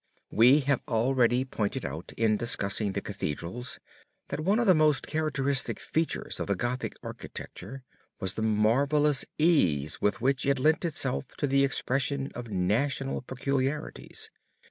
We have already pointed out in discussing the Cathedrals that one of the most characteristic features of the Gothic architecture was the marvelous ease with which it lent itself to the expression of national peculiarities.